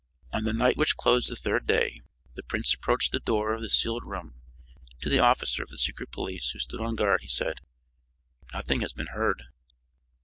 On the night which closed the third day the prince approached the door of the sealed room. To the officer of the secret police, who stood on guard, he said: "Nothing has been heard."